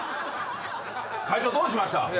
隊長どうしました？